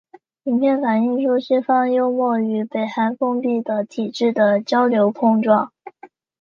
影片反映出西方幽默与北韩封闭的体制的交流碰撞。